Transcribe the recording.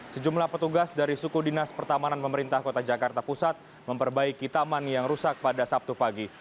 sejumlah petugas dari suku dinas pertamanan pemerintah kota jakarta pusat memperbaiki taman yang rusak pada sabtu pagi